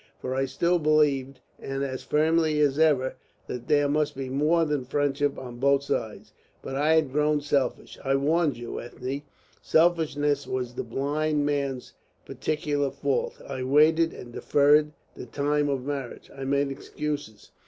For I still believed, and as firmly as ever, that there must be more than friendship on both sides. But I had grown selfish. I warned you, Ethne, selfishness was the blind man's particular fault. I waited and deferred the time of marriage. I made excuses.